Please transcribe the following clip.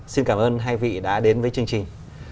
xin cảm ơn hai vị đã đến với chương trình